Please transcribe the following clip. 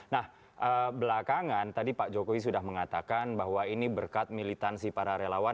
nah belakangan tadi pak jokowi sudah mengatakan bahwa ini berkat militansi para relawan